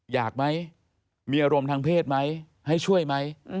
อยากไหมมีอารมณ์ทางเพศไหมให้ช่วยไหม